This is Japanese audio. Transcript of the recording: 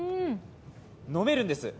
飲めるんです。